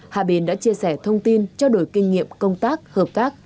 hạ bền đã chia sẻ thông tin trao đổi kinh nghiệm công tác hợp tác